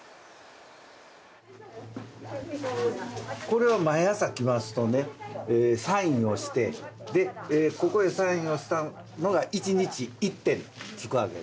これは毎朝来ますとねサインをしてでここへサインをしたのが１日１点つくわけですね。